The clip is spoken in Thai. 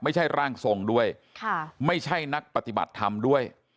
ไม่ใช่ร่างทรงด้วยไม่ใช่นักปฏิบัติธรรมด้วย